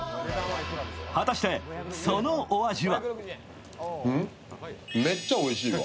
果たしてそのお味は？